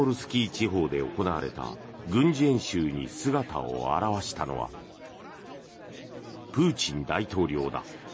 地方で行われた軍事演習に姿を現したのはプーチン大統領だ。